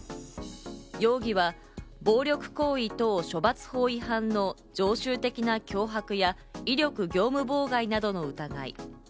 容疑は暴力行為等処罰法違反の常習的な脅迫や威力業務妨害などの疑い。